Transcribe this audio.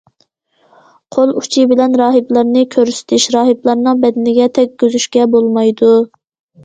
قول ئۇچى بىلەن راھىبلارنى كۆرسىتىش، راھىبلارنىڭ بەدىنىگە تەگكۈزۈشكە بولمايدۇ.